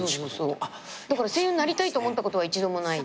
だから声優になりたいと思ったことは一度もない。